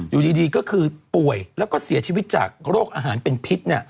อยู่ดีก็คือป่วยแล้วก็เสียชีวิตจากโรคอาหารเป็นพิษ